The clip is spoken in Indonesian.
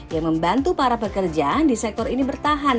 yang membantu para pekerja di sektor ini bertahan